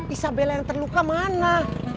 isabella yang terluka mana